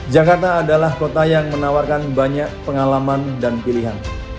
jakarta adalah kota yang menawarkan banyak pengalaman dan pilihan